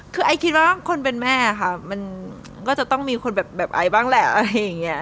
คือไอคิดว่าคนเป็นแม่ค่ะมันก็จะต้องมีคนแบบไอบ้างแหละอะไรอย่างนี้